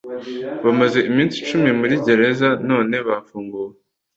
bamaze iminsi icumi muri gereza none bafunguwe